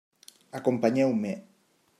Acompanyeu-me.